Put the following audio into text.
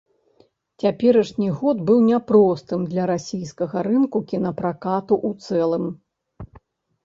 Цяперашні год быў няпростым для расійскага рынку кінапракату ў цэлым.